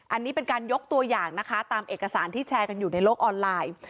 อันนี้เป็นการยกตัวอย่างนะคะตามเอกสารที่แชร์กันอยู่ในโลกออนไลน์